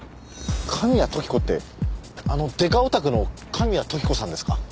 神谷時子ってあのデカオタクの神谷時子さんですか？